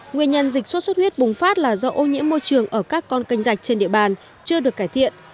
nguyên nhân dịch xuất xuất huyết bùng phát là do ô nhiễm môi trường ở các con canh rạch trên địa bàn chưa được cải thiện